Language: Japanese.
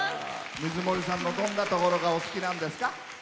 水森さんのどんなところがお好きなんですか？